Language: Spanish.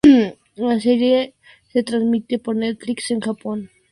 La serie se transmite por Netflix en Japón.